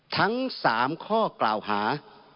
ทั้ง๓ข้อกล่าวหา